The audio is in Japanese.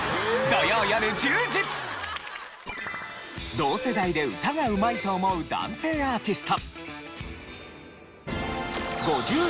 同世代で歌がうまいと思う男性アーティスト。